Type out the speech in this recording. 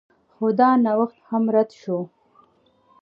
خو دا نوښت هم رد شو.